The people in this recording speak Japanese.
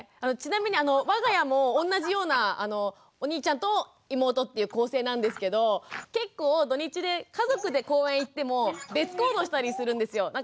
ちなみに我が家も同じようなお兄ちゃんと妹という構成なんですけど結構土日で家族で公園行っても別行動したりするんですよ。